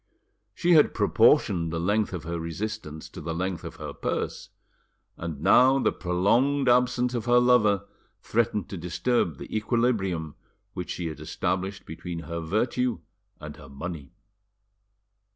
She had proportioned the length of her resistance to the length of her purse, and now the prolonged absence of her lover threatened to disturb the equilibrium which she had established between her virtue and her money.